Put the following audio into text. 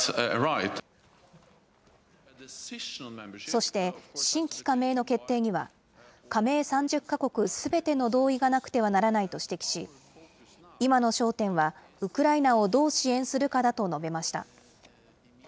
そして、新規加盟の決定には、加盟３０か国すべての同意がなくてはならないと指摘し、今の焦点は、ウクライナをどう支援するかだと述べました。